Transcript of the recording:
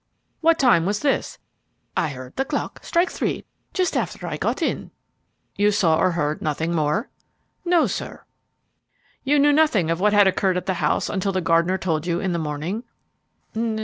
"What time was this?" "I heard the clock strike three just after I got in." "You saw or heard nothing more?" "No, sir." "You knew nothing of what had occurred at the house until the gardener told you in the morning?"